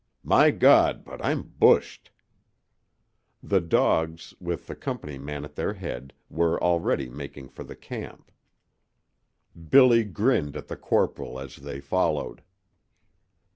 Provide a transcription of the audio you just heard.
My God, but I'm bushed!" The dogs, with the company man at their head, were already making for the camp. Billy grinned at the corporal as they followed.